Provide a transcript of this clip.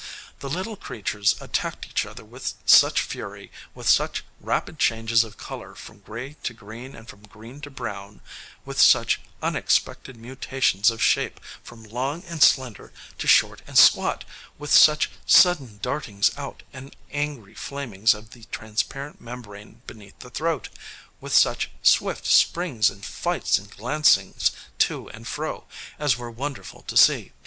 The little creatures attacked each other with such fury, with such rapid changes of color from gray to green and from green to brown, with such unexpected mutations of shape from long and slender to short and squat, with such sudden dartings out and angry flamings of the transparent membrane beneath the throat, with such swift springs and flights and glancings to and fro, as were wonderful to see.